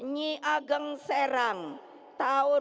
nyi ageng serang tahun seribu tujuh ratus lima puluh dua